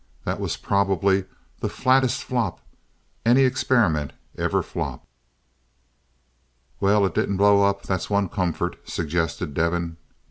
"That was probably the flattest flop any experiment ever flopped." "Well it didn't blow up. That's one comfort," suggested Devin.